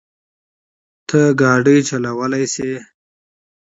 ته ګاډی چلولی شې؟